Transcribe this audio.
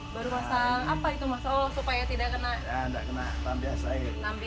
baru pasang apa itu masuk supaya tidak kena kena nambias air nambias air ini mas rudy setelah purna